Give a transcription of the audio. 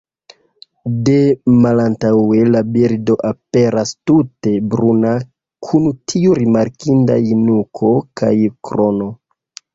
De malantaŭe la birdo aperas tute bruna kun tiu rimarkindaj nuko kaj krono.